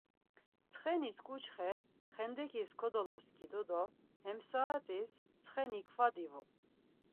Ntsxeniş ǩuçxe xendeǩis kodoloskidu do hem saat̆is ntsxeni kva divu.